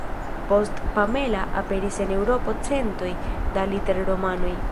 Post "Pamela" aperis en Eŭropo centoj da liter-romanoj.